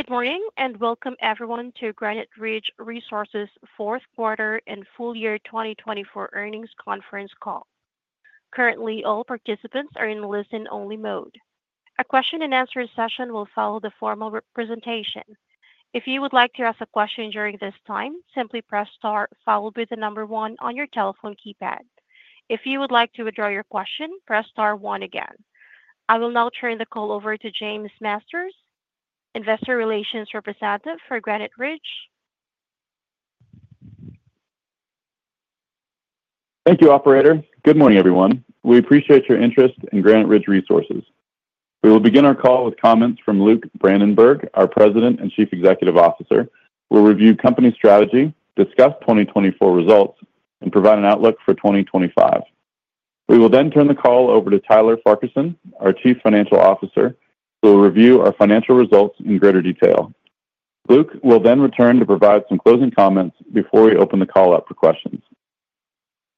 Good morning and welcome everyone to Granite Ridge Resources' fourth quarter and full year 2024 earnings conference call. Currently, all participants are in listen-only mode. A question-and-answer session will follow the formal presentation. If you would like to ask a question during this time, simply press * with the number one on your telephone keypad. If you would like to withdraw your question, press * again. I will now turn the call over to James Masters, Investor Relations Representative for Granite Ridge. Thank you, Operator. Good morning, everyone. We appreciate your interest in Granite Ridge Resources. We will begin our call with comments from Luke Brandenberg, our President and Chief Executive Officer. We'll review company strategy, discuss 2024 results, and provide an outlook for 2025. We will then turn the call over to Tyler Farquharson, our Chief Financial Officer, who will review our financial results in greater detail. Luke will then return to provide some closing comments before we open the call up for questions.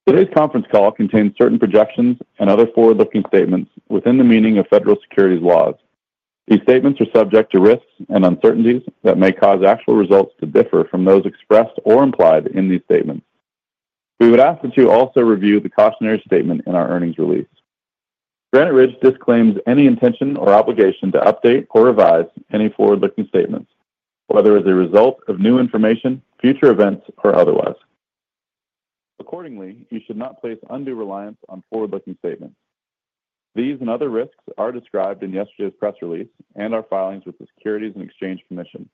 Today's conference call contains certain projections and other forward-looking statements within the meaning of federal securities laws. These statements are subject to risks and uncertainties that may cause actual results to differ from those expressed or implied in these statements. We would ask that you also review the cautionary statement in our earnings release. Granite Ridge disclaims any intention or obligation to update or revise any forward-looking statements, whether as a result of new information, future events, or otherwise. Accordingly, you should not place undue reliance on forward-looking statements. These and other risks are described in yesterday's press release and our filings with the Securities and Exchange Commission.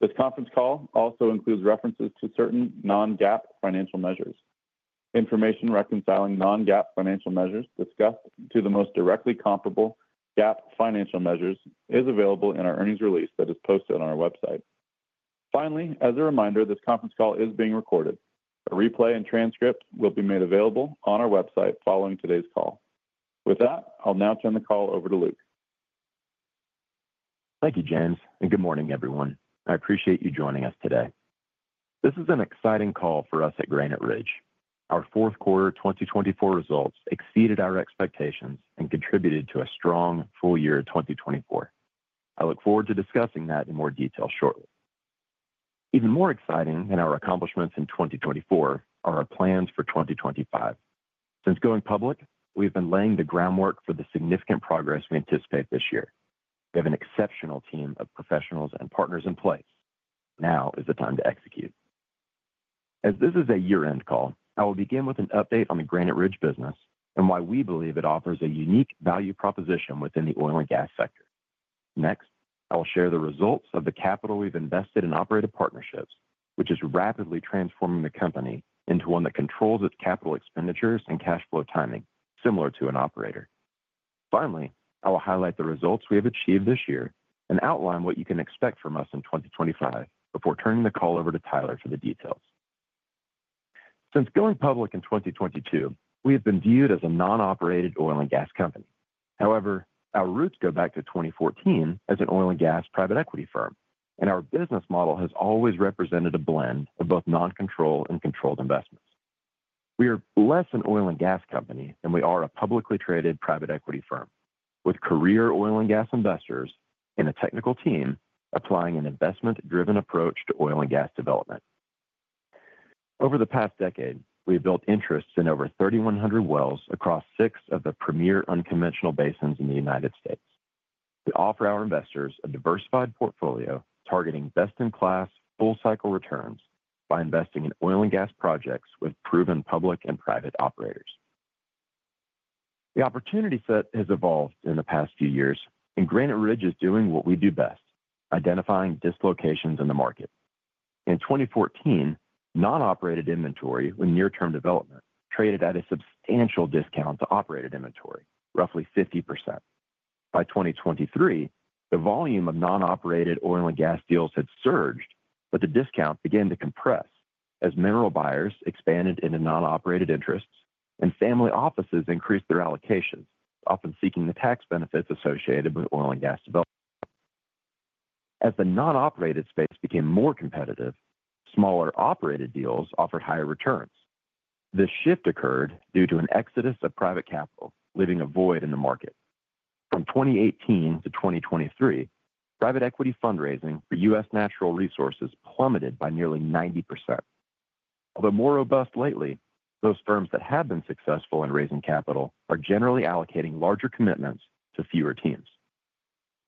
This conference call also includes references to certain non-GAAP financial measures. Information reconciling non-GAAP financial measures discussed to the most directly comparable GAAP financial measures is available in our earnings release that is posted on our website. Finally, as a reminder, this conference call is being recorded. A replay and transcript will be made available on our website following today's call. With that, I'll now turn the call over to Luke. Thank you, James, and good morning, everyone. I appreciate you joining us today. This is an exciting call for us at Granite Ridge Resources. Our fourth quarter 2024 results exceeded our expectations and contributed to a strong full year 2024. I look forward to discussing that in more detail shortly. Even more exciting than our accomplishments in 2024 are our plans for 2025. Since going public, we have been laying the groundwork for the significant progress we anticipate this year. We have an exceptional team of professionals and partners in place. Now is the time to execute. As this is a year-end call, I will begin with an update on the Granite Ridge Resources business and why we believe it offers a unique value proposition within the oil and gas sector. Next, I will share the results of the capital we've invested in operated partnerships, which is rapidly transforming the company into one that controls its capital expenditures and cash flow timing similar to an operator. Finally, I will highlight the results we have achieved this year and outline what you can expect from us in 2025 before turning the call over to Tyler for the details. Since going public in 2022, we have been viewed as a non-operated oil and gas company. However, our roots go back to 2014 as an oil and gas private equity firm, and our business model has always represented a blend of both non-control and controlled investments. We are less an oil and gas company than we are a publicly traded private equity firm, with career oil and gas investors and a technical team applying an investment-driven approach to oil and gas development. Over the past decade, we have built interests in over 3,100 wells across six of the premier unconventional basins in the U.S. We offer our investors a diversified portfolio targeting best-in-class full-cycle returns by investing in oil and gas projects with proven public and private operators. The opportunity set has evolved in the past few years, and Granite Ridge Resources is doing what we do best: identifying dislocations in the market. In 2014, non-operated inventory with near-term development traded at a substantial discount to operated inventory, roughly 50%. By 2023, the volume of non-operated oil and gas deals had surged, but the discount began to compress as mineral buyers expanded into non-operated interests and family offices increased their allocations, often seeking the tax benefits associated with oil and gas development. As the non-operated space became more competitive, smaller operated deals offered higher returns. This shift occurred due to an exodus of private capital leaving a void in the market. From 2018 to 2023, private equity fundraising for U.S. natural resources plummeted by nearly 90%. Although more robust lately, those firms that have been successful in raising capital are generally allocating larger commitments to fewer teams.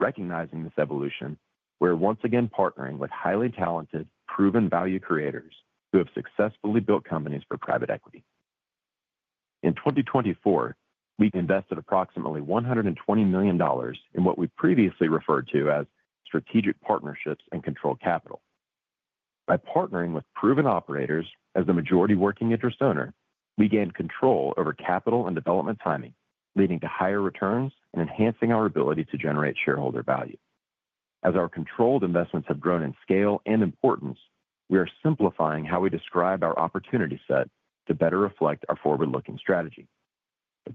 Recognizing this evolution, we're once again partnering with highly talented, proven value creators who have successfully built companies for private equity. In 2024, we invested approximately $120 million in what we previously referred to as strategic partnerships and controlled capital. By partnering with proven operators as the majority working interest owner, we gained control over capital and development timing, leading to higher returns and enhancing our ability to generate shareholder value. As our controlled investments have grown in scale and importance, we are simplifying how we describe our opportunity set to better reflect our forward-looking strategy.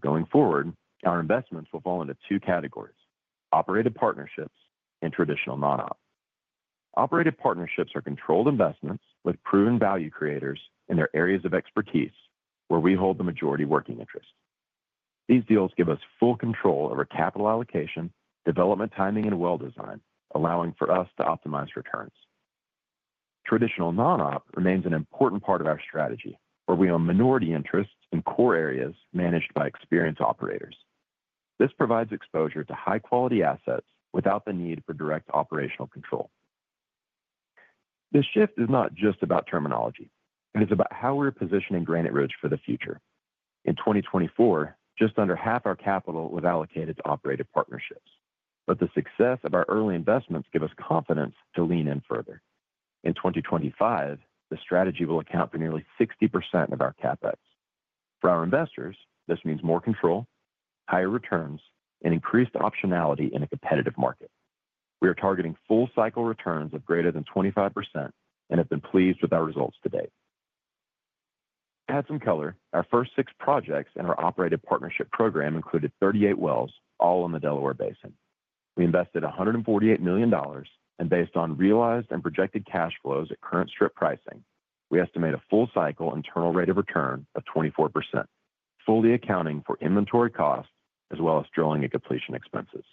Going forward, our investments will fall into two categories: operated partnerships and traditional non-ops. Operated partnerships are controlled investments with proven value creators in their areas of expertise, where we hold the majority working interest. These deals give us full control over capital allocation, development timing, and well design, allowing for us to optimize returns. Traditional non-op remains an important part of our strategy, where we own minority interests in core areas managed by experienced operators. This provides exposure to high-quality assets without the need for direct operational control. This shift is not just about terminology. It is about how we're positioning Granite Ridge for the future. In 2024, just under half our capital was allocated to operated partnerships, but the success of our early investments gives us confidence to lean in further. In 2025, the strategy will account for nearly 60% of our CapEx. For our investors, this means more control, higher returns, and increased optionality in a competitive market. We are targeting full-cycle returns of greater than 25% and have been pleased with our results to date. To add some color, our first six projects in our operated partnership program included 38 wells, all in the Delaware Basin. We invested $148 million and, based on realized and projected cash flows at current strip pricing, we estimate a full-cycle internal rate of return of 24%, fully accounting for inventory costs as well as drilling and completion expenses.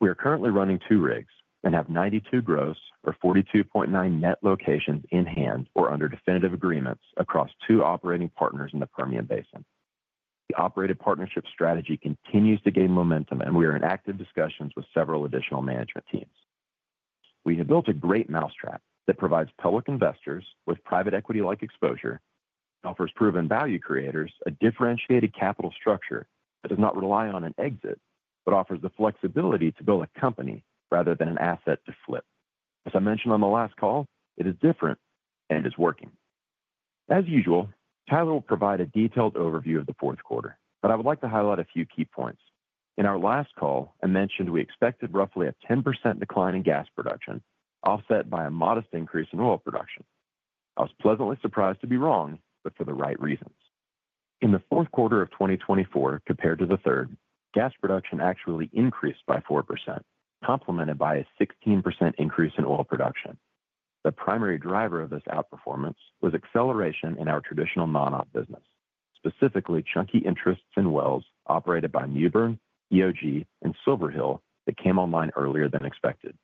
We are currently running two rigs and have 92 gross or 42.9 net locations in hand or under definitive agreements across two operating partners in the Permian Basin. The operated partnership strategy continues to gain momentum, and we are in active discussions with several additional management teams. We have built a great mousetrap that provides public investors with private equity-like exposure and offers proven value creators a differentiated capital structure that does not rely on an exit but offers the flexibility to build a company rather than an asset to flip. As I mentioned on the last call, it is different and is working. As usual, Tyler will provide a detailed overview of the fourth quarter, but I would like to highlight a few key points. In our last call, I mentioned we expected roughly a 10% decline in gas production, offset by a modest increase in oil production. I was pleasantly surprised to be wrong, but for the right reasons. In the fourth quarter of 2024, compared to the third, gas production actually increased by 4%, complemented by a 16% increase in oil production. The primary driver of this outperformance was acceleration in our traditional non-op business, specifically chunky interests in wells operated by Mewbourne, EOG, and Silver Hill that came online earlier than expected.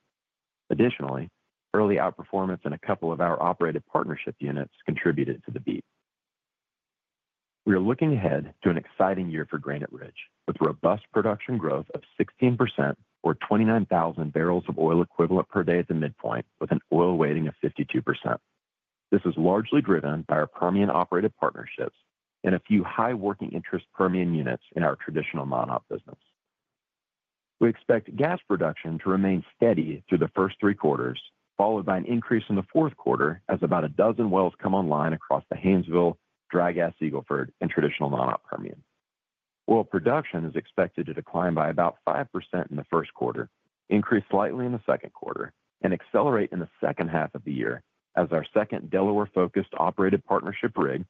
Additionally, early outperformance in a couple of our operated partnership units contributed to the beat. We are looking ahead to an exciting year for Granite Ridge Resources, with robust production growth of 16% or 29,000 barrels of oil equivalent per day at the midpoint, with an oil weighting of 52%. This is largely driven by our Permian operated partnerships and a few high working interest Permian units in our traditional non-op business. We expect gas production to remain steady through the first three quarters, followed by an increase in the fourth quarter as about a dozen wells come online across the Haynesville, Dry Gas, Eagle Ford, and Traditional Non-op Permian. Oil production is expected to decline by about 5% in the first quarter, increase slightly in the second quarter, and accelerate in the second half of the year as our second Delaware-focused operated partnership rig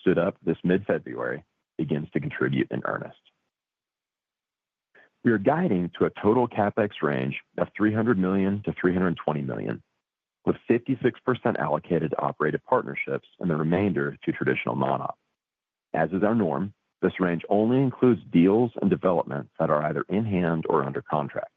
stood up this mid-February and begins to contribute in earnest. We are guiding to a total CapEx range of $300 million to $320 million, with 56% allocated to operated partnerships and the remainder to Traditional Non-op. As is our norm, this range only includes deals and developments that are either in hand or under contract.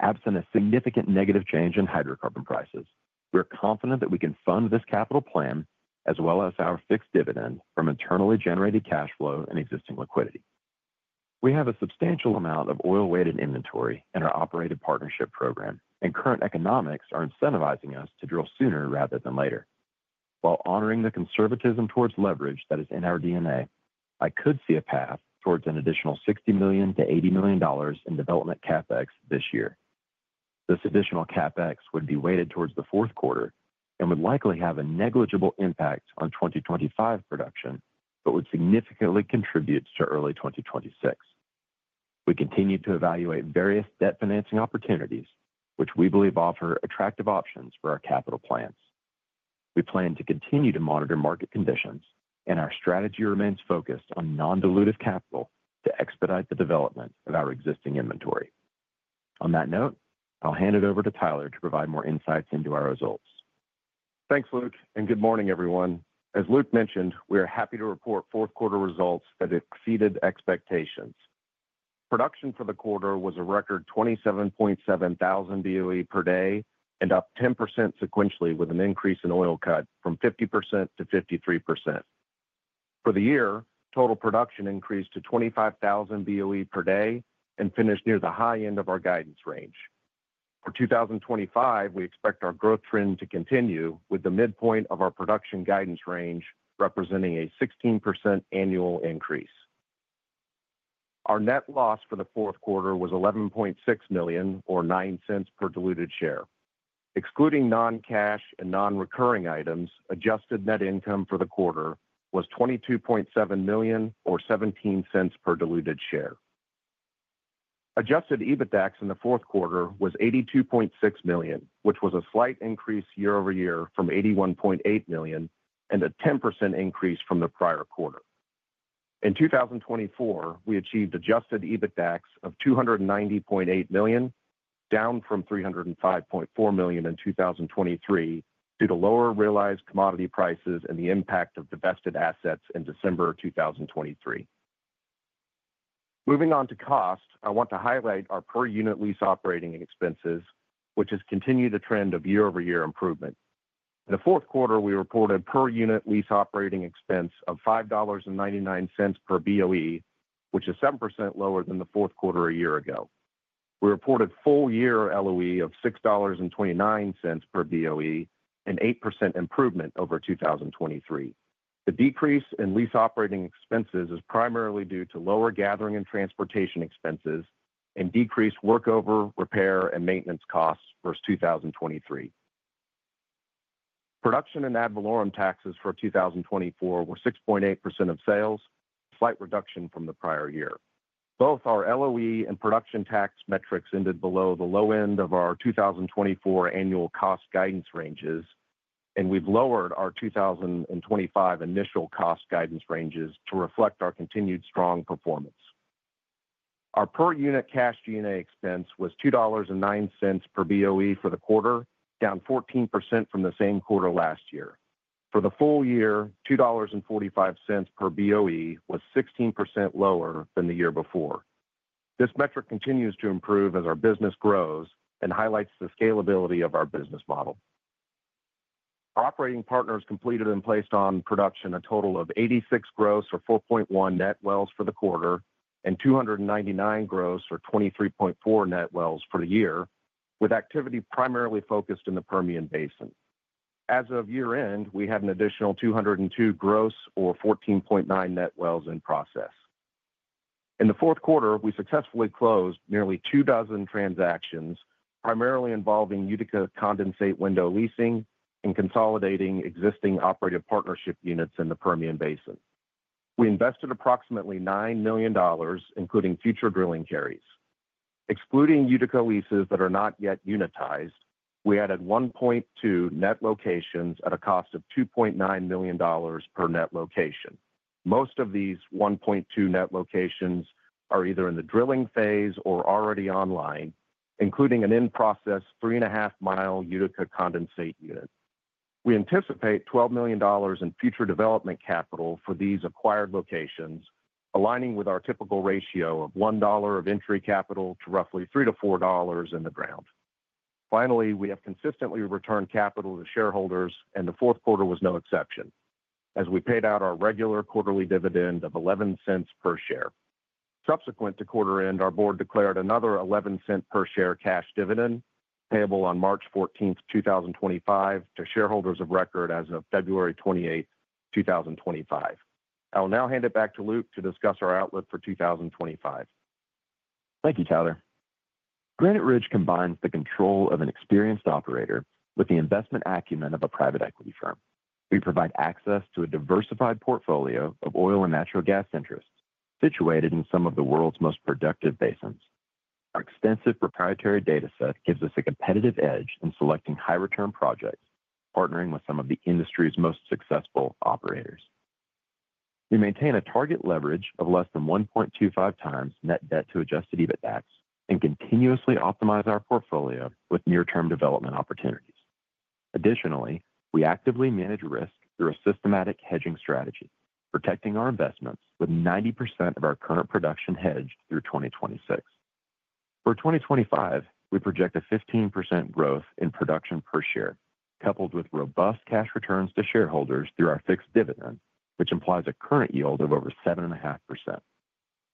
Absent a significant negative change in hydrocarbon prices, we are confident that we can fund this capital plan as well as our fixed dividend from internally generated cash flow and existing liquidity. We have a substantial amount of oil-weighted inventory in our operated partnership program, and current economics are incentivizing us to drill sooner rather than later. While honoring the conservatism towards leverage that is in our DNA, I could see a path towards an additional $60 million to $80 million in development CapEx this year. This additional CapEx would be weighted towards the fourth quarter and would likely have a negligible impact on 2025 production but would significantly contribute to early 2026. We continue to evaluate various debt financing opportunities, which we believe offer attractive options for our capital plans. We plan to continue to monitor market conditions, and our strategy remains focused on non-dilutive capital to expedite the development of our existing inventory. On that note, I'll hand it over to Tyler to provide more insights into our results. Thanks, Luke, and good morning, everyone. As Luke mentioned, we are happy to report fourth quarter results that exceeded expectations. Production for the quarter was a record 27,700 BOE per day and up 10% sequentially with an increase in oil cut from 50% to 53%. For the year, total production increased to 25,000 BOE per day and finished near the high end of our guidance range. For 2025, we expect our growth trend to continue with the midpoint of our production guidance range representing a 16% annual increase. Our net loss for the fourth quarter was $11.6 million or $0.09 per diluted share. Excluding non-cash and non-recurring items, adjusted net income for the quarter was $22.7 million or $0.17 per diluted share. Adjusted EBITDAX in the fourth quarter was $82.6 million, which was a slight increase year-over-year from $81.8 million and a 10% increase from the prior quarter. In 2024, we achieved adjusted EBITDAX of $290.8 million, down from $305.4 million in 2023 due to lower realized commodity prices and the impact of divested assets in December 2023. Moving on to cost, I want to highlight our per-unit lease operating expenses, which has continued the trend of year-over-year improvement. In the fourth quarter, we reported per-unit lease operating expense of $5.99 per BOE, which is 7% lower than the fourth quarter a year ago. We reported full-year LOE of $6.29 per BOE, an 8% improvement over 2023. The decrease in lease operating expenses is primarily due to lower gathering and transportation expenses and decreased workover, repair, and maintenance costs versus 2023. Production and ad valorem taxes for 2024 were 6.8% of sales, a slight reduction from the prior year. Both our LOE and production tax metrics ended below the low end of our 2024 annual cost guidance ranges, and we've lowered our 2025 initial cost guidance ranges to reflect our continued strong performance. Our per-unit cash G&A expense was $2.09 per BOE for the quarter, down 14% from the same quarter last year. For the full year, $2.45 per BOE was 16% lower than the year before. This metric continues to improve as our business grows and highlights the scalability of our business model. Our operating partners completed and placed on production a total of 86 gross or 4.1 net wells for the quarter and 299 gross or 23.4 net wells for the year, with activity primarily focused in the Permian Basin. As of year-end, we had an additional 202 gross or 14.9 net wells in process. In the fourth quarter, we successfully closed nearly two dozen transactions, primarily involving Utica Condensate window leasing and consolidating existing operated partnership units in the Permian Basin. We invested approximately $9 million, including future drilling carries. Excluding Utica leases that are not yet unitized, we added 1.2 net locations at a cost of $2.9 million per net location. Most of these 1.2 net locations are either in the drilling phase or already online, including an in-process 3.5 mi Utica Condensate unit. We anticipate $12 million in future development capital for these acquired locations, aligning with our typical ratio of $1 of entry capital to roughly $3-$4 in the ground. Finally, we have consistently returned capital to shareholders, and the fourth quarter was no exception, as we paid out our regular quarterly dividend of $0.11 per share. Subsequent to quarter-end, our board declared another $0.11 per share cash dividend payable on March 14, 2025, to shareholders of record as of February 28, 2025. I will now hand it back to Luke to discuss our outlook for 2025. Thank you, Tyler. Granite Ridge combines the control of an experienced operator with the investment acumen of a private equity firm. We provide access to a diversified portfolio of oil and natural gas interests situated in some of the world's most productive basins. Our extensive proprietary data set gives us a competitive edge in selecting high-return projects, partnering with some of the industry's most successful operators. We maintain a target leverage of less than 1.25 times net debt to adjusted EBITDAX and continuously optimize our portfolio with near-term development opportunities. Additionally, we actively manage risk through a systematic hedging strategy, protecting our investments with 90% of our current production hedged through 2026. For 2025, we project a 15% growth in production per share, coupled with robust cash returns to shareholders through our fixed dividend, which implies a current yield of over 7.5%.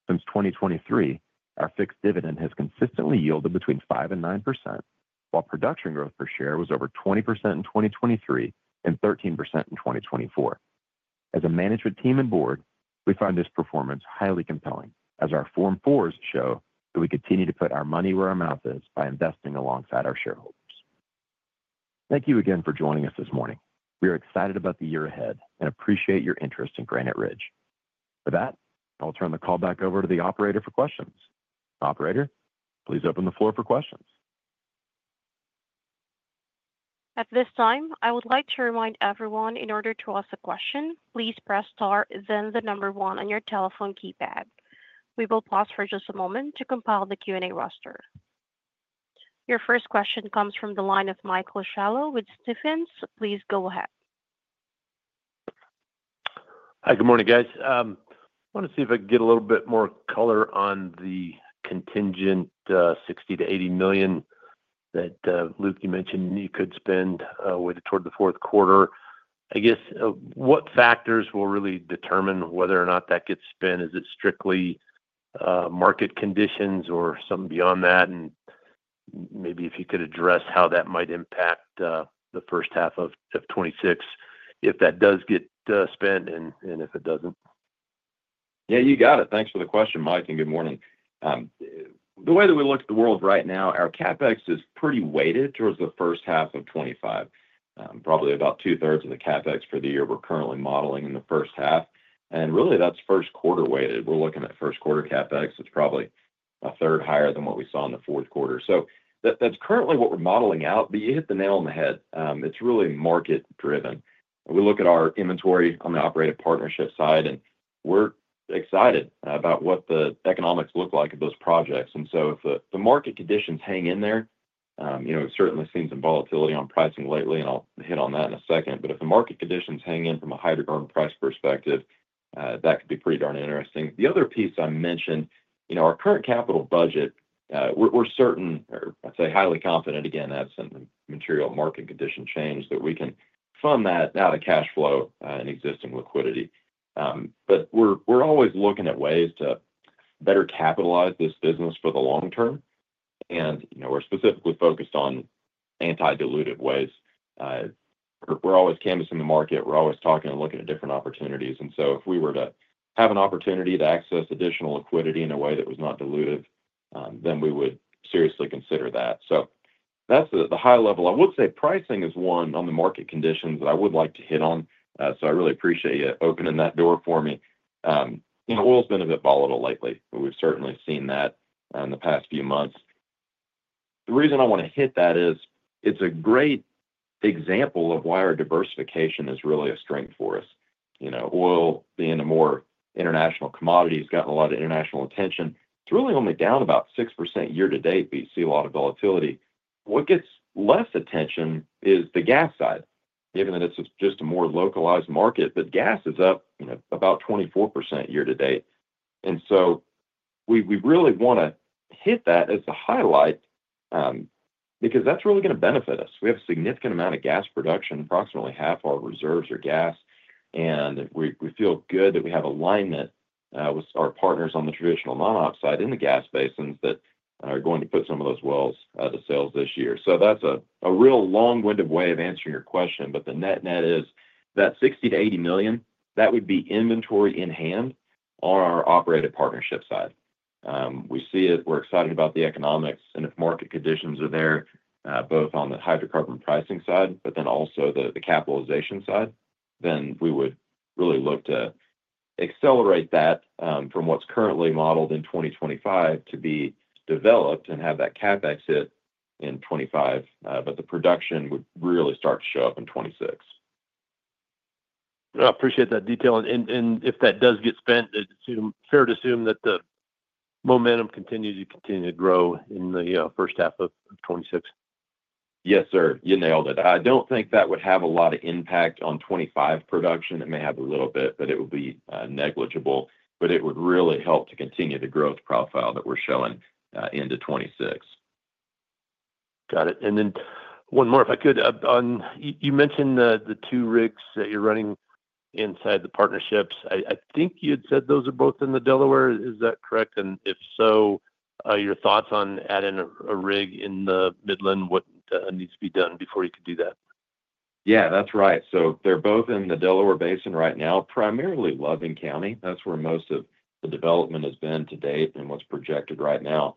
Since 2023, our fixed dividend has consistently yielded between 5% and 9%, while production growth per share was over 20% in 2023 and 13% in 2024. As a management team and board, we find this performance highly compelling, as our Form 4s show that we continue to put our money where our mouth is by investing alongside our shareholders. Thank you again for joining us this morning. We are excited about the year ahead and appreciate your interest in Granite Ridge. With that, I will turn the call back over to the operator for questions. Operator, please open the floor for questions. At this time, I would like to remind everyone in order to ask a question, please press star, then the number one on your telephone keypad. We will pause for just a moment to compile the Q&A roster. Your first question comes from the line of Michael Scialla with Stephens. Please go ahead. Hi, good morning, guys. I want to see if I can get a little bit more color on the contingent $60 million to $80 million that Luke, you mentioned you could spend toward the fourth quarter. I guess what factors will really determine whether or not that gets spent? Is it strictly market conditions or something beyond that? Maybe if you could address how that might impact the first half of 2026, if that does get spent and if it doesn't. Yeah, you got it. Thanks for the question, Mike, and good morning. The way that we look at the world right now, our CapEx is pretty weighted towards the first half of 2025. Probably about two-thirds of the CapEx for the year we're currently modeling in the first half. Really, that's first quarter weighted. We're looking at first quarter CapEx. It's probably a third higher than what we saw in the fourth quarter. That's currently what we're modeling out, but you hit the nail on the head. It's really market-driven. We look at our inventory on the operated partnership side, and we're excited about what the economics look like of those projects. If the market conditions hang in there, it certainly seems in volatility on pricing lately, and I'll hit on that in a second. If the market conditions hang in from a hydrocarbon price perspective, that could be pretty darn interesting. The other piece I mentioned, our current capital budget, we're certain, or I'd say highly confident, again, that's a material market condition change that we can fund that out of cash flow and existing liquidity. We're always looking at ways to better capitalize this business for the long term. We're specifically focused on anti-dilutive ways. We're always canvassing the market. We're always talking and looking at different opportunities. If we were to have an opportunity to access additional liquidity in a way that was not dilutive, then we would seriously consider that. That's the high level. I would say pricing is one on the market conditions that I would like to hit on. I really appreciate you opening that door for me. Oil has been a bit volatile lately, but we've certainly seen that in the past few months. The reason I want to hit that is it's a great example of why our diversification is really a strength for us. Oil, being a more international commodity, has gotten a lot of international attention. It's really only down about 6% year to date, but you see a lot of volatility. What gets less attention is the gas side, given that it's just a more localized market, but gas is up about 24% year to date. We really want to hit that as a highlight because that's really going to benefit us. We have a significant amount of gas production, approximately half our reserves are gas, and we feel good that we have alignment with our partners on the traditional non-operated in the gas basins that are going to put some of those wells to sales this year. That is a real long-winded way of answering your question, but the net net is that $60 million to $80 million, that would be inventory in hand on our operated partnership side. We see it. We're excited about the economics, and if market conditions are there, both on the hydrocarbon pricing side, but then also the capitalization side, we would really look to accelerate that from what is currently modeled in 2025 to be developed and have that CapEx hit in 2025, but the production would really start to show up in 2026. I appreciate that detail. If that does get spent, it's fair to assume that the momentum continues to grow in the first half of 2026. Yes, sir. You nailed it. I don't think that would have a lot of impact on 2025 production. It may have a little bit, but it would be negligible. It would really help to continue the growth profile that we're showing into 2026. Got it. One more, if I could. You mentioned the two rigs that you're running inside the partnerships. I think you had said those are both in the Delaware. Is that correct? If so, your thoughts on adding a rig in the Midland? What needs to be done before you could do that? Yeah, that's right. They are both in the Delaware Basin right now, primarily Loving County. That is where most of the development has been to date and what is projected right now.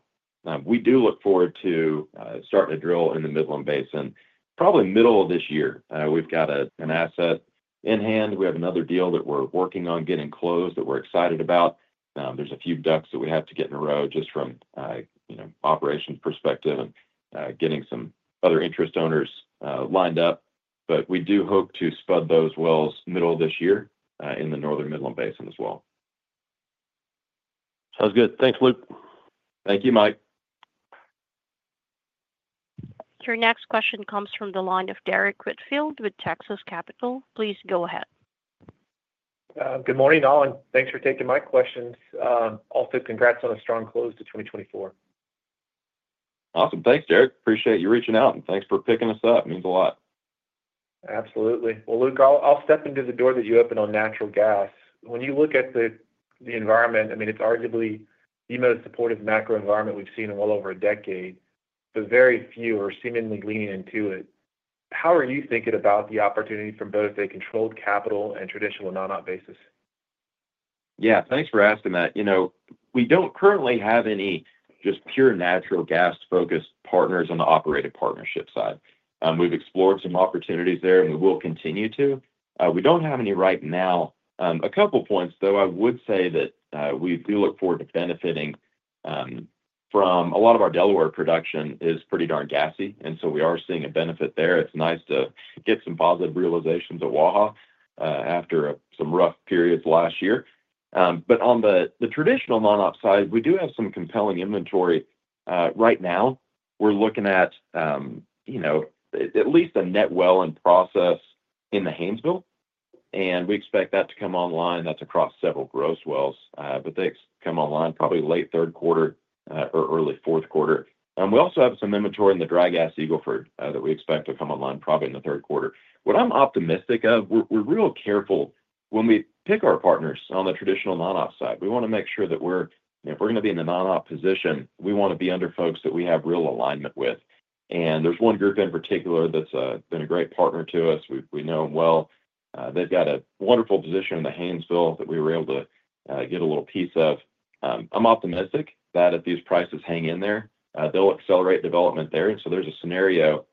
We do look forward to starting to drill in the Midland Basin, probably middle of this year. We have got an asset in hand. We have another deal that we are working on getting closed that we are excited about. There are a few ducks that we have to get in a row just from an operations perspective and getting some other interest owners lined up. We do hope to spud those wells middle of this year in the northern Midland Basin as well. Sounds good. Thanks, Luke. Thank you, Mike. Your next question comes from the line of Derrick Whitfield with Texas Capital. Please go ahead. Good morning, All. Thanks for taking my questions. Also, congrats on a strong close to 2024. Awesome. Thanks, Derrick. Appreciate you reaching out, and thanks for picking us up. Means a lot. Absolutely. Luke, I'll step into the door that you opened on natural gas. When you look at the environment, I mean, it's arguably the most supportive macro environment we've seen in well over a decade, but very few are seemingly leaning into it. How are you thinking about the opportunity from both a controlled capital and Traditional Non-op basis? Yeah, thanks for asking that. We don't currently have any just pure natural gas-focused partners on the operated partnership side. We've explored some opportunities there, and we will continue to. We don't have any right now. A couple of points, though, I would say that we do look forward to benefiting from a lot of our Delaware production is pretty darn gassy. We are seeing a benefit there. It's nice to get some positive realizations at Waha after some rough periods last year. On the traditional non-op side, we do have some compelling inventory. Right now, we're looking at at least a net well in process in the Haynesville, and we expect that to come online. That's across several gross wells, but they come online probably late third quarter or early fourth quarter. We also have some inventory in the dry gas Eagle Ford that we expect to come online probably in the third quarter. What I'm optimistic of, we're real careful when we pick our partners on the traditional non-op side. We want to make sure that if we're going to be in the non-op position, we want to be under folks that we have real alignment with. There's one group in particular that's been a great partner to us. We know them well. They've got a wonderful position in the Haynesville that we were able to get a little piece of. I'm optimistic that if these prices hang in there, they'll accelerate development there. There is a scenario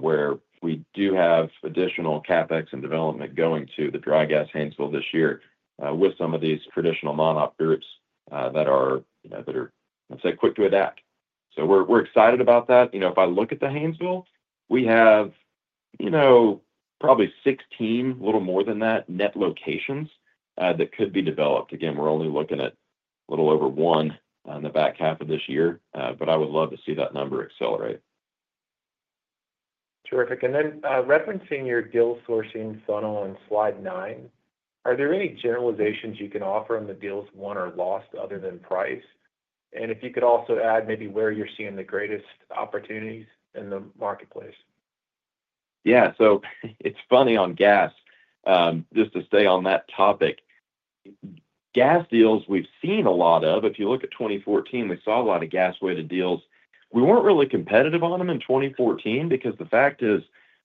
where we do have additional CapEx and development going to the dry gas Haynesville this year with some of these traditional non-op groups that are, let's say, quick to adapt. We're excited about that. If I look at the Haynesville, we have probably 16, a little more than that, net locations that could be developed. Again, we're only looking at a little over one in the back half of this year, but I would love to see that number accelerate. Terrific. Referencing your deal sourcing funnel on slide nine, are there any generalizations you can offer on the deals won or lost other than price? If you could also add maybe where you're seeing the greatest opportunities in the marketplace. Yeah. So it's funny on gas, just to stay on that topic. Gas deals we've seen a lot of. If you look at 2014, we saw a lot of gas-weighted deals. We weren't really competitive on them in 2014 because the fact is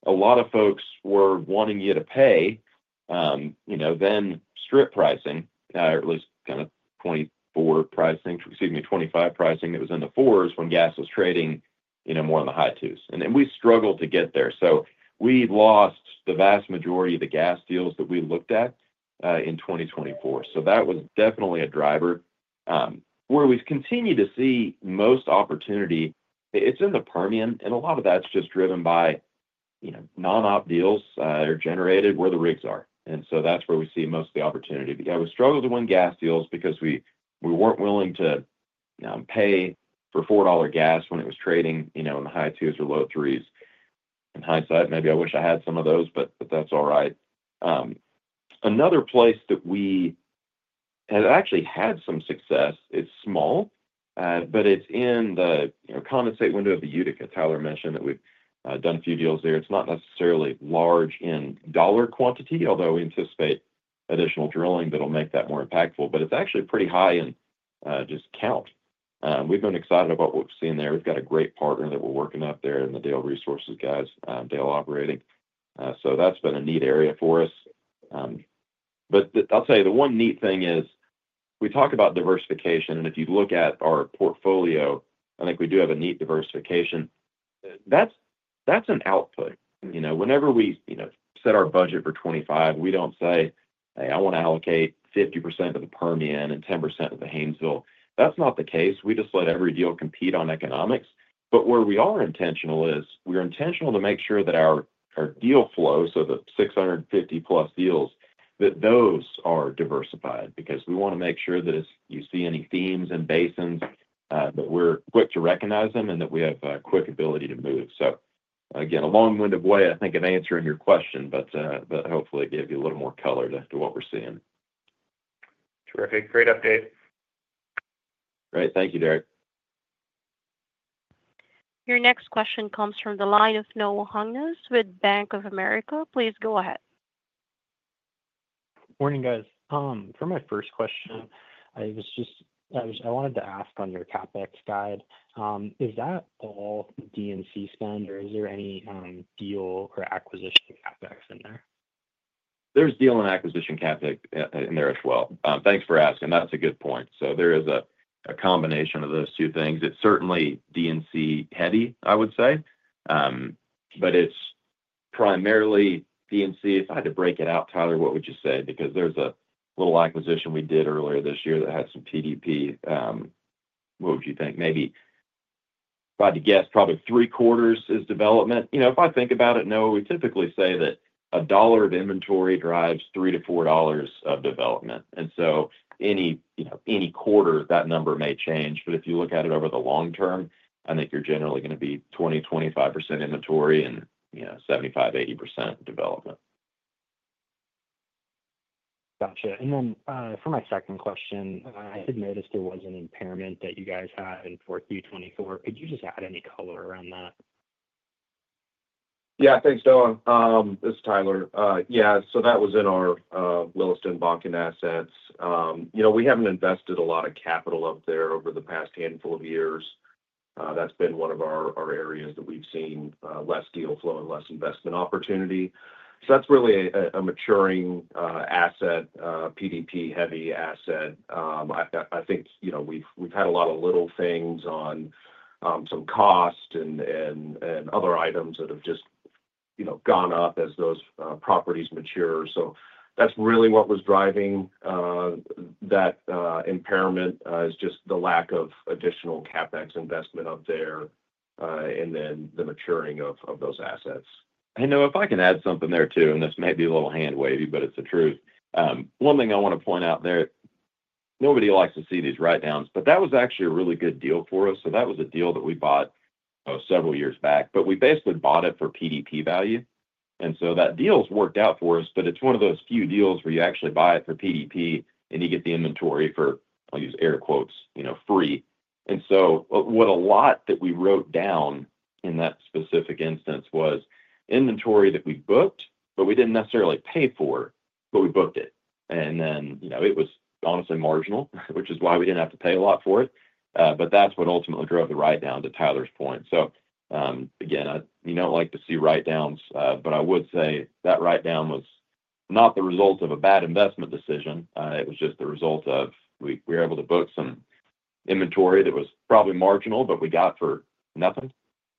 a lot of folks were wanting you to pay than strip pricing, or at least kind of 2024 pricing, excuse me, 2025 pricing that was in the fours when gas was trading more in the high twos. And we struggled to get there. We lost the vast majority of the gas deals that we looked at in 2024. That was definitely a driver where we've continued to see most opportunity. It's in the Permian, and a lot of that's just driven by non-op deals that are generated where the rigs are. That's where we see most of the opportunity. Yeah, we struggled to win gas deals because we weren't willing to pay for $4 gas when it was trading in the high twos or low threes. In hindsight, maybe I wish I had some of those, but that's all right. Another place that we have actually had some success is small, but it's in the condensate window of the Utica. Tyler mentioned that we've done a few deals there. It's not necessarily large in dollar quantity, although we anticipate additional drilling that'll make that more impactful, but it's actually pretty high in just count. We've been excited about what we've seen there. We've got a great partner that we're working up there in the Dale Resources guys, Dale Operating. That's been a neat area for us. I'll tell you, the one neat thing is we talk about diversification, and if you look at our portfolio, I think we do have a neat diversification. That's an output. Whenever we set our budget for 2025, we don't say, "Hey, I want to allocate 50% to the Permian and 10% to the Haynesville." That's not the case. We just let every deal compete on economics. Where we are intentional is we're intentional to make sure that our deal flow, so the 650-plus deals, that those are diversified because we want to make sure that if you see any themes and basins, that we're quick to recognize them and that we have a quick ability to move. Again, a long-winded way, I think, of answering your question, but hopefully it gave you a little more color to what we're seeing. Terrific. Great update. Great. Thank you, Derrick. Your next question comes from the line of Noah Hungness with Bank of America. Please go ahead. Morning, guys. For my first question, I wanted to ask on your CapEx guide, is that all D&C spend, or is there any deal or acquisition CapEx in there? There's deal and acquisition CapEx in there as well. Thanks for asking. That's a good point. There is a combination of those two things. It's certainly D&C-heavy, I would say, but it's primarily D&C. If I had to break it out, Tyler, what would you say? Because there's a little acquisition we did earlier this year that had some PDP. What would you think? Maybe, if I had to guess, probably three quarters is development. If I think about it, no, we typically say that a dollar of inventory drives three to four dollars of development. Any quarter, that number may change. If you look at it over the long term, I think you're generally going to be 20%-25% inventory and 75%-80% development. Gotcha. For my second question, I had noticed there was an impairment that you guys had for Q2 2024. Could you just add any color around that? Yeah. Thanks, Noah. This is Tyler. Yeah. That was in our Williston Basin assets. We have not invested a lot of capital up there over the past handful of years. That has been one of our areas that we have seen less deal flow and less investment opportunity. That is really a maturing asset, PDP-heavy asset. I think we have had a lot of little things on some cost and other items that have just gone up as those properties mature. That is really what was driving that impairment, just the lack of additional CapEx investment up there and then the maturing of those assets. I know if I can add something there too, and this may be a little hand-wavy, but it is the truth. One thing I want to point out there, nobody likes to see these write-downs, but that was actually a really good deal for us. That was a deal that we bought several years back, but we basically bought it for PDP value. That deal's worked out for us, but it's one of those few deals where you actually buy it for PDP and you get the inventory for, I'll use air quotes, free. What a lot that we wrote down in that specific instance was inventory that we booked, but we didn't necessarily pay for, but we booked it. It was honestly marginal, which is why we didn't have to pay a lot for it. That's what ultimately drove the write-down, to Tyler's point. Again, you don't like to see write-downs, but I would say that write-down was not the result of a bad investment decision. It was just the result of we were able to book some inventory that was probably marginal, but we got for nothing.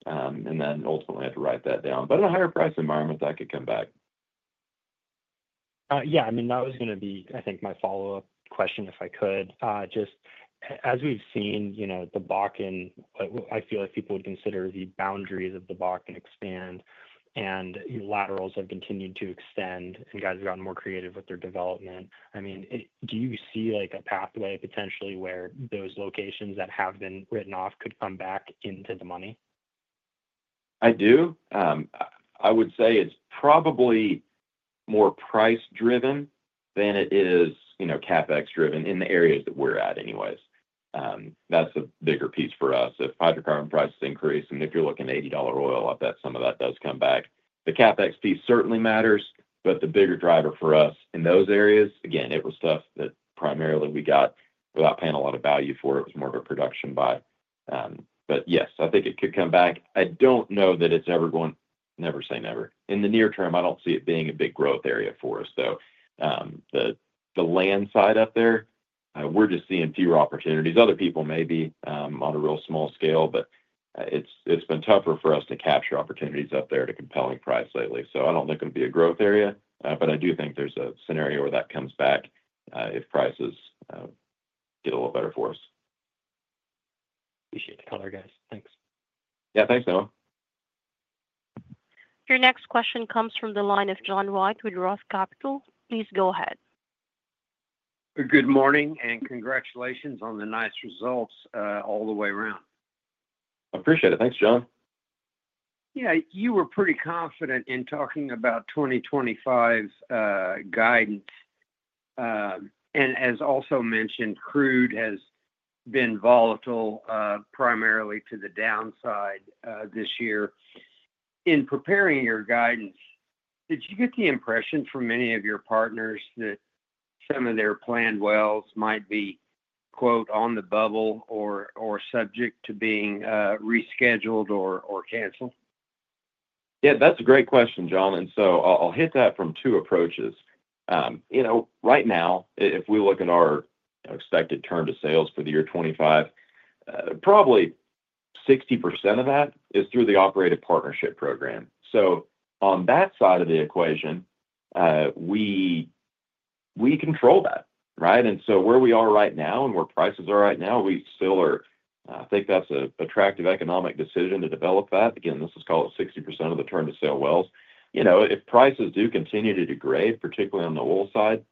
Ultimately, had to write that down. In a higher price environment, that could come back. Yeah. I mean, that was going to be, I think, my follow-up question if I could. Just as we've seen the Bakken, I feel like people would consider the boundaries of the Bakken expand, and laterals have continued to extend, and guys have gotten more creative with their development. I mean, do you see a pathway potentially where those locations that have been written off could come back into the money? I do. I would say it's probably more price-driven than it is CapEx-driven in the areas that we're at anyways. That's a bigger piece for us. If hydrocarbon prices increase, and if you're looking at $80 oil, some of that does come back. The CapEx piece certainly matters, but the bigger driver for us in those areas, again, it was stuff that primarily we got without paying a lot of value for it. It was more of a production buy. Yes, I think it could come back. I don't know that it's ever going—never say never. In the near term, I don't see it being a big growth area for us. The land side up there, we're just seeing fewer opportunities. Other people maybe on a real small scale, but it's been tougher for us to capture opportunities up there at a compelling price lately. I don't think it'll be a growth area, but I do think there's a scenario where that comes back if prices get a little better for us. Appreciate the color, guys. Thanks. Yeah. Thanks, Noah. Your next question comes from the line of John White with Roth Capital. Please go ahead. Good morning and congratulations on the nice results all the way around. Appreciate it. Thanks, John. Yeah. You were pretty confident in talking about 2025's guidance. As also mentioned, crude has been volatile primarily to the downside this year. In preparing your guidance, did you get the impression from many of your partners that some of their planned wells might be "on the bubble" or subject to being rescheduled or canceled? Yeah. That's a great question, John. I'll hit that from two approaches. Right now, if we look at our expected turn to sales for the year 2025, probably 60% of that is through the operated partnership program. On that side of the equation, we control that, right? Where we are right now and where prices are right now, I think that's an attractive economic decision to develop that. Again, this is called 60% of the turn to sale wells. If prices do continue to degrade, particularly on the oil side,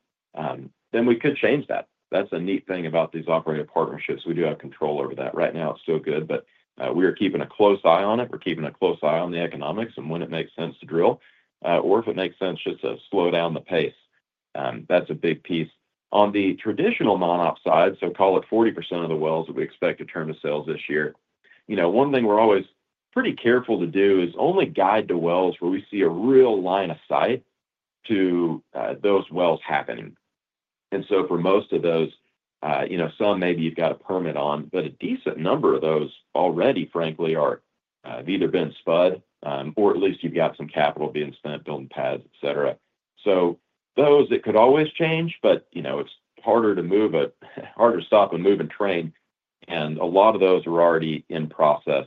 we could change that. That's a neat thing about these operated partnerships. We do have control over that. Right now, it's still good, but we are keeping a close eye on it. We're keeping a close eye on the economics and when it makes sense to drill or if it makes sense just to slow down the pace. That's a big piece. On the traditional non-op side, so call it 40% of the wells that we expect to turn to sales this year, one thing we're always pretty careful to do is only guide the wells where we see a real line of sight to those wells happening. For most of those, some maybe you've got a permit on, but a decent number of those already, frankly, have either been spud or at least you've got some capital being spent, building pads, etc. Those could always change, but it's harder to stop a moving train. A lot of those are already in process.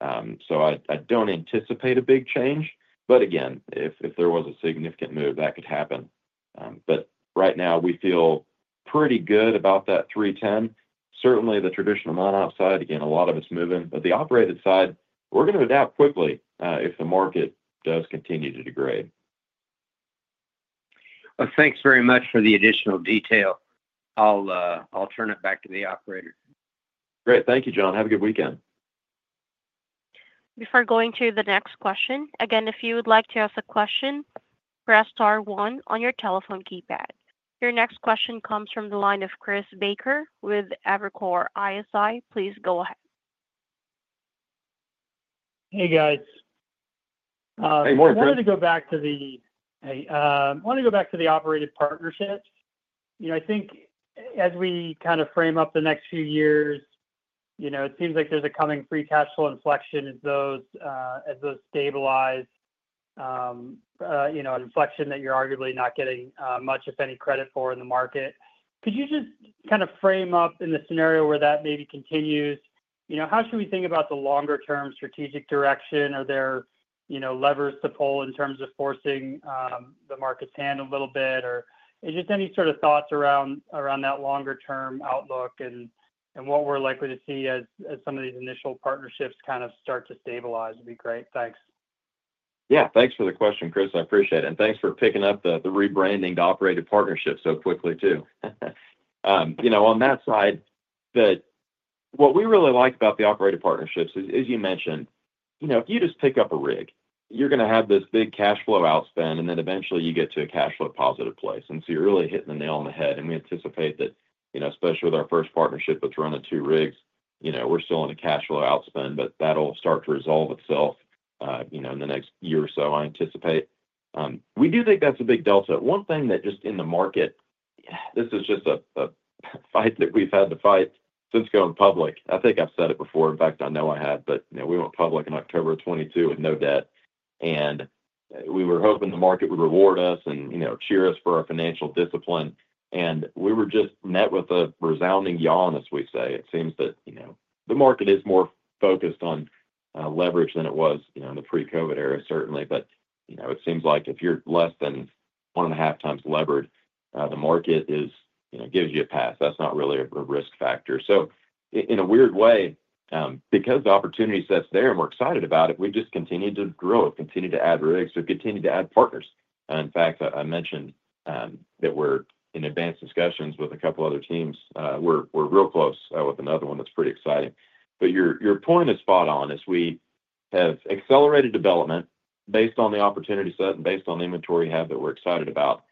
I don't anticipate a big change. Again, if there was a significant move, that could happen. Right now, we feel pretty good about that 310. Certainly, the traditional non-op side, a lot of it's moving. The operated side, we're going to adapt quickly if the market does continue to degrade. Thanks very much for the additional detail. I'll turn it back to the operator. Great. Thank you, John. Have a good weekend. Before going to the next question, again, if you would like to ask a question, press star one on your telephone keypad. Your next question comes from the line of Chris Baker with Evercore ISI. Please go ahead. Hey, guys. Hey, morning, Chris. I wanted to go back to the operated partnerships. I think as we kind of frame up the next few years, it seems like there's a coming free cash flow inflection as those stabilize, an inflection that you're arguably not getting much, if any, credit for in the market. Could you just kind of frame up in the scenario where that maybe continues? How should we think about the longer-term strategic direction? Are there levers to pull in terms of forcing the market's hand a little bit? Just any sort of thoughts around that longer-term outlook and what we're likely to see as some of these initial partnerships kind of start to stabilize would be great. Thanks. Yeah. Thanks for the question, Chris. I appreciate it. Thanks for picking up the rebranding to operated partnerships so quickly too. On that side, what we really like about the operated partnerships is, as you mentioned, if you just pick up a rig, you're going to have this big cash flow outspend, and then eventually you get to a cash flow positive place. You're really hitting the nail on the head. We anticipate that, especially with our first partnership that's running two rigs, we're still in a cash flow outspend, but that'll start to resolve itself in the next year or so, I anticipate. We do think that's a big delta. One thing that just in the market, this is just a fight that we've had to fight since going public. I think I've said it before. In fact, I know I had, but we went public in October 2022 with no debt. We were hoping the market would reward us and cheer us for our financial discipline. We were just met with a resounding yawn, as we say. It seems that the market is more focused on leverage than it was in the pre-COVID era, certainly. It seems like if you're less than one and a half times levered, the market gives you a pass. That's not really a risk factor. In a weird way, because the opportunity set's there and we're excited about it, we've just continued to grow, continued to add rigs, and continued to add partners. In fact, I mentioned that we're in advanced discussions with a couple of other teams. We're real close with another one that's pretty exciting. Your point is spot on. As we have accelerated development based on the opportunity set and based on the inventory we have that we're excited about,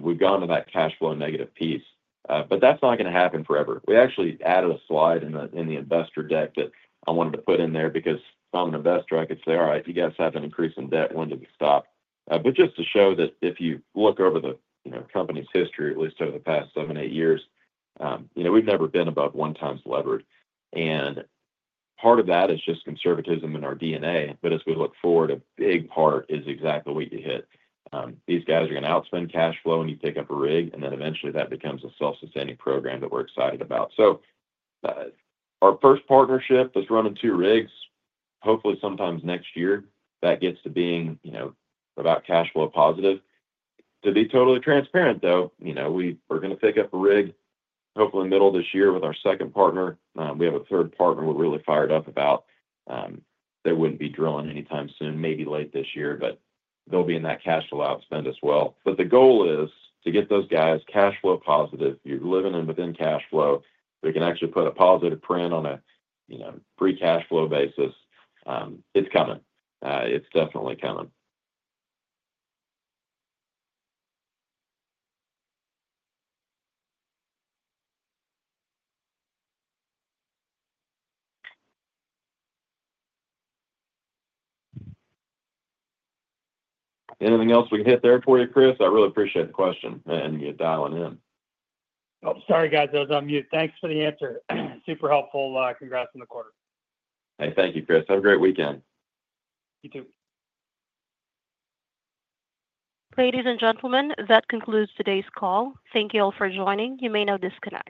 we've gone to that cash flow negative piece. That is not going to happen forever. We actually added a slide in the investor deck that I wanted to put in there because if I'm an investor, I could say, "All right, you guys have an increase in debt. When does it stop?" Just to show that if you look over the company's history, at least over the past seven, eight years, we've never been above one times levered. Part of that is just conservatism in our DNA. As we look forward, a big part is exactly what you hit. These guys are going to outspend cash flow when you pick up a rig, and then eventually that becomes a self-sustaining program that we're excited about. Our first partnership that's running two rigs, hopefully sometimes next year, that gets to being about cash flow positive. To be totally transparent, though, we're going to pick up a rig hopefully middle of this year with our second partner. We have a third partner we're really fired up about. They wouldn't be drilling anytime soon, maybe late this year, but they'll be in that cash flow outspend as well. The goal is to get those guys cash flow positive. You're living in within cash flow. We can actually put a positive print on a free cash flow basis. It's coming. It's definitely coming. Anything else we can hit there for you, Chris? I really appreciate the question and you dialing in. Oh, sorry, guys. I was on mute. Thanks for the answer. Super helpful. Congrats on the quarter. Hey, thank you, Chris. Have a great weekend. You too. Ladies and gentlemen, that concludes today's call. Thank you all for joining. You may now disconnect.